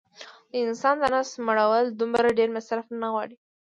د انسان د نس مړول دومره ډېر مصرف نه غواړي